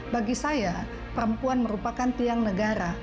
bagi saya perempuan merupakan tiang negara